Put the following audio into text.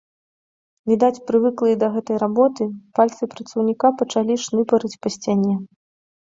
Відаць, прывыклыя да гэтай работы, пальцы працаўніка пачалі шныпарыць па сцяне.